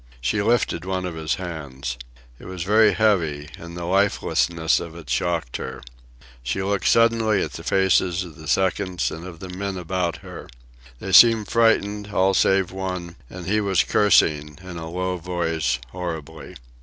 She lifted one of his hands. It was very heavy, and the lifelessness of it shocked her. She looked suddenly at the faces of the seconds and of the men about her. They seemed frightened, all save one, and he was cursing, in a low voice, horribly.